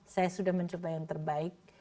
saya sudah mencoba yang terbaik